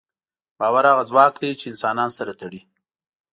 باور هغه ځواک دی، چې انسانان سره تړي.